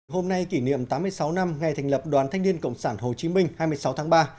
hôm nay kỷ niệm tám mươi sáu năm ngày thành lập đoàn thanh niên cộng sản hồ chí minh hai mươi sáu tháng ba